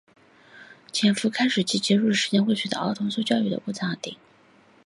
潜伏期开始及结束的时间会随儿童受养育的过程而定。